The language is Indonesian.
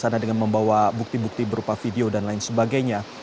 karena dengan membawa bukti bukti berupa video dan lain sebagainya